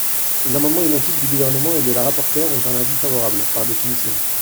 Ces amendements identiques du Gouvernement et de la rapporteure ont un avis favorable, par définition.